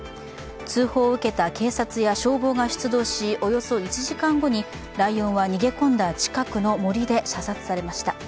通報を受けた警察や消防が出動しおよそ１時間後に逃げ込んだ近くの森で射殺されました。